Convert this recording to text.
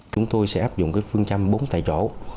chúng tôi sẽ áp dụng phương châm bốn tại chỗ